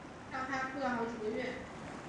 让她哭了好几个月